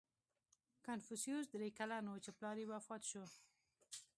• کنفوسیوس درې کلن و، چې پلار یې وفات شو.